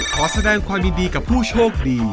ขอแสดงความยินดีกับผู้โชคดี